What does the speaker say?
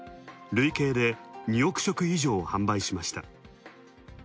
累計で２億食以上販売しました。